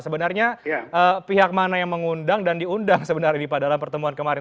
sebenarnya pihak mana yang mengundang dan diundang sebenarnya ini pak dalam pertemuan kemarin